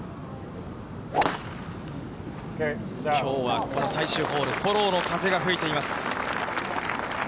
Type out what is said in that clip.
きょうはこの最終ホール、フォローの風が吹いています。